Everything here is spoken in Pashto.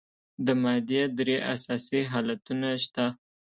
د مادې درې اساسي حالتونه شته.